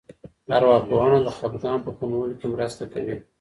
ارواپوهنه د خپګان په کمولو کې مرسته کوي.